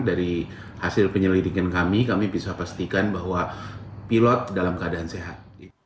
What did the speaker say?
dari hasil penyelidikan kami kami bisa pastikan bahwa pilot dalam keadaan sehat